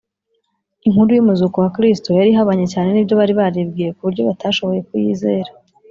inkuru y’umuzuko wa kristo yari ihabanye cyane n’ibyo bari baribwiye ku buryo batashoboye kuyizera